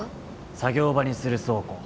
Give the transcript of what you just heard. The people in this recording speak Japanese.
作業場にする倉庫。